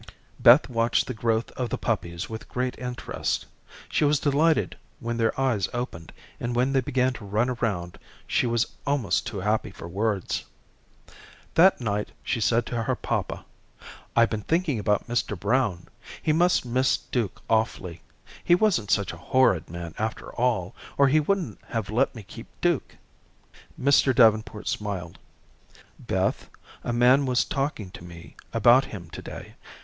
"] Beth watched the growth of the puppies with great interest. She was delighted when their eyes opened, and when they began to run around she was almost too happy for words. That night she said to her papa: "I've been thinking about Mr. Brown. He must miss Duke awfully. He wasn't such a horrid man after all, or he wouldn't have let me keep Duke." Mr. Davenport smiled. "Beth, a man was talking to me about him to day.